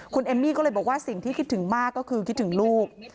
คุณเอมมี่ก็เลยบอกว่าสิ่งที่คิดถึงมากก็คือคิดถึงลูก